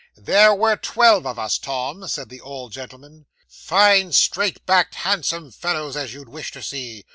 '"There were twelve of us, Tom," said the old gentleman; "fine, straight backed, handsome fellows as you'd wish to see.